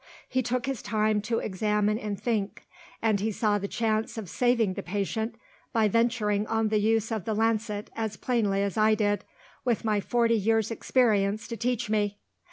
He took his time to examine and think; and he saw the chance of saving the patient by venturing on the use of the lancet as plainly as I did with my forty years' experience to teach me!